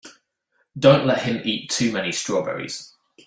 Don't let him eat too many strawberries.